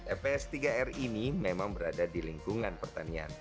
eps tiga r ini memang berada di lingkungan pertanian